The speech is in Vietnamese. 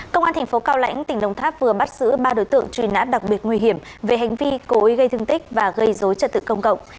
công an thành phố cao lãnh tỉnh đồng tháp vừa bắt giữ ba đối tượng truy nát đặc biệt nguy hiểm về hành vi cố gây thương tích và gây dối trật tự công cộng